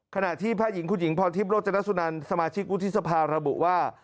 ขณะที่แพทย์หญิงคุณหญิงพรทิพย์โรจนสุนันสมาชิกวุฒิสภาระบุว่า